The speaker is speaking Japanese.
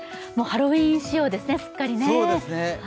ハロウィーン仕様ですね、すっかりね。